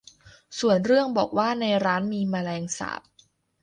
ส่วนเรื่องบอกว่าในร้านมีแมลงสาบ